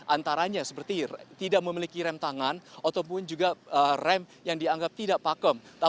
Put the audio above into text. antaranya seperti tidak memiliki rem tangan ataupun juga rem yang dianggap tidak pakem